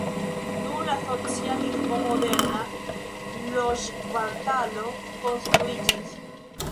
Dum la socialismo moderna loĝkvartalo konstruiĝis.